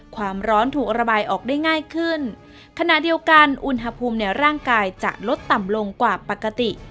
ความร้อนถูกระบายออกได้ง่ายขึ้นขณะเดียวกันอุณหภูมิในร่างกายจะลดต่ำลงกว่าปกติ